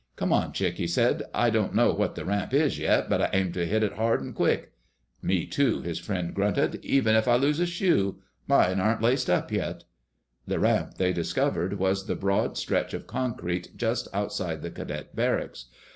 "Come on, Chick," he said. "I don't know what the ramp is yet, but I aim to hit it hard and quick." "Me too," his friend grunted, "even if I lose a shoe.... Mine aren't laced up yet." The ramp, they discovered, was the broad stretch of concrete just outside the cadet barracks.